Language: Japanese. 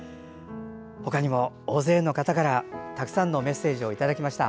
他にも大勢の方からたくさんのメッセージをいただきました。